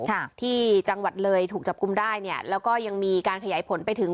ค่ะที่จังหวัดเลยถูกจับกลุ่มได้เนี่ยแล้วก็ยังมีการขยายผลไปถึง